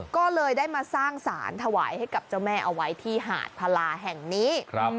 ก็เลยได้มาสร้างสารถวายให้กับเจ้าแม่เอาไว้ที่หาดพลาแห่งนี้